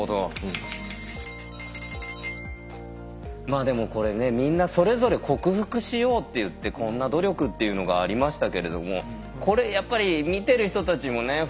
まあでもこれねみんなそれぞれ克服しようっていってこんな努力っていうのがありましたけれどもこれやっぱり見てる人たちもね